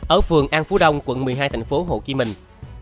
ở phường an phú đông quận một mươi hai tp hồ chí minh